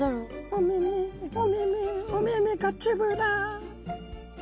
おめめおめめおめめがつぶら。